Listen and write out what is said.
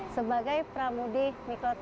sebagai pramudi rosie och poet